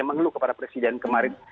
dan mengeluh kepada presiden kemarin